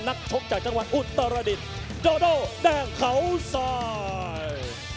นักชกจากจังหวัดอุตรดินโดโดแดงเขาสาย